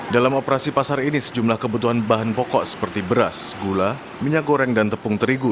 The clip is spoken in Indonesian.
dalam operasi pasar ini sejumlah kebutuhan bahan pokok seperti beras gula minyak goreng dan tepung terigu